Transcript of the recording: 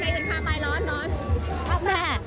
อยู่ตรงในหิวนทาร์ปลายร้อน